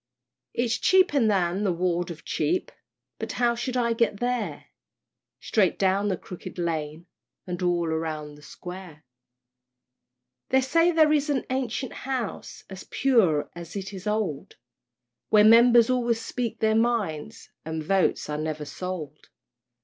It's cheaper than the Ward of Cheap, But how shall I get there? "Straight down the Crooked Lane, And all round the Square." They say there is an ancient House, As pure as it is old, Where Members always speak their minds And votes are never sold.